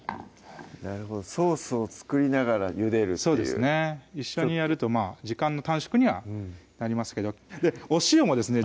なるほどソースを作りながらゆでるっていう一緒にやると時間の短縮にはなりますけどお塩もですね